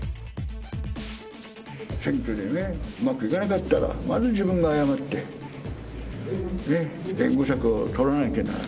選挙でうまくいかなかったら、まず自分が謝って、善後策を取らなきゃならない。